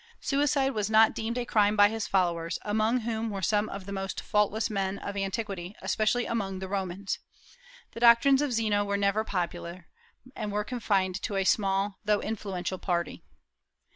Suicide was not deemed a crime by his followers, among whom were some of the most faultless men of antiquity, especially among the Romans. The doctrines of Zeno were never popular, and were confined to a small though influential party.